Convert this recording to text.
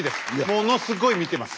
ものすごい見てます。